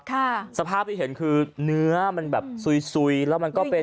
ค่ะสภาพที่เห็นคือเนื้อมันแบบซุยซุยแล้วมันก็เป็น